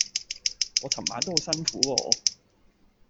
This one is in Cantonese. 我尋晚都好辛苦喎